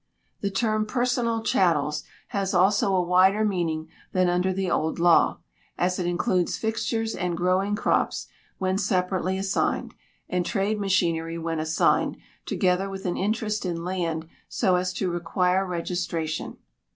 The term "personal chattels" has also a wider meaning than under the old law, as it includes fixtures and growing crops when separately assigned, and trade machinery when assigned, together with an interest in land so as to require registration.